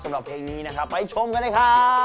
สำหรับเพลงนี้นะครับไปชมกันเลยครับ